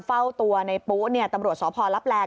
เฝ้าตัวในปุ๊ตำรวจสพลับแล